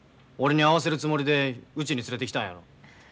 俺に会わせるつもりでうちに連れてきたんやろ。